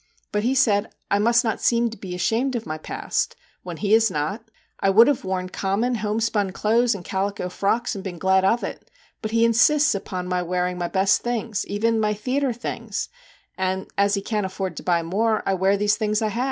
But he said I must not seem to be ashamed of my past when he is not. I would have worn common home spun clothes and calico frocks, and been glad of it, but he insists upon my wearing my best things even my theatre things ; and as he can't afford to buy more, I wear these things I had.